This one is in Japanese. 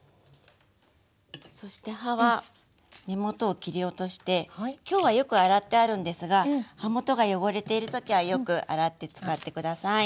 そして葉は根元を切り落として今日はよく洗ってあるんですが葉元が汚れている時はよく洗って使って下さい。